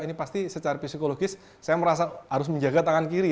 ini pasti secara psikologis saya merasa harus menjaga tangan kiri